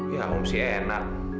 ya om sih enak